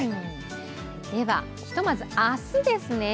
では、ひとまず明日ですね